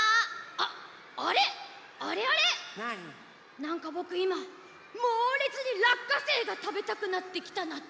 なんかぼくいまもうれつにらっかせいがたべたくなってきたナッツ。